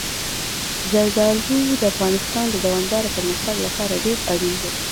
زردالو د افغانستان د دوامداره پرمختګ لپاره ډېر اړین دي.